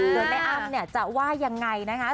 ส่วนแม่อ้ำเนี่ยจะว่ายังไงนะคะ